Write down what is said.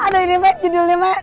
aduh ini mah judulnya mah